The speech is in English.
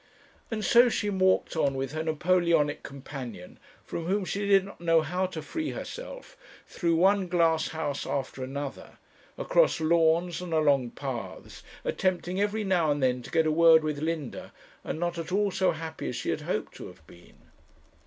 And so she walked on with her Napoleonic companion, from whom she did not know how to free herself, through one glass house after another, across lawns and along paths, attempting every now and then to get a word with Linda, and not at all so happy as she had hoped to have been.